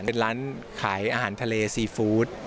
เป็นร้านขายอาหารทะเลซีฟู้ด